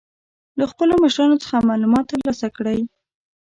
له خپلو مشرانو څخه معلومات تر لاسه کړئ.